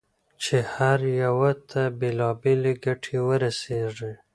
چې هر یوه ته بېلابېلې ګټې ورسېږي.